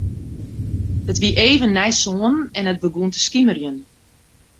It wie even nei sânen en it begûn te skimerjen.